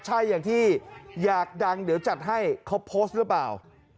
ใช่อย่างที่อยากดังเดี๋ยวจัดให้เขาโพสต์หรือเปล่า